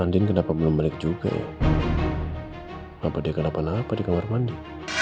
andin kenapa belum balik juga ya bapak dia kenapa napa di kamar mandi